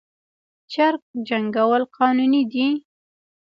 چرګ جنګول قانوني دي؟